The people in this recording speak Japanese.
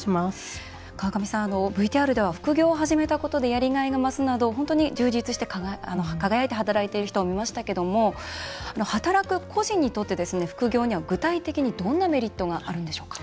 ＶＴＲでは副業を始めたことでやりがいが増すなど本当に充実して輝いて働く人を見ましたけれども働く個人にとって副業には具体的にどんなメリットがあるんでしょうか？